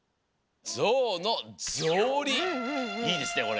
いいですねこれ。